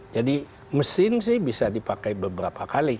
jadi mesin sih bisa dipakai beberapa kali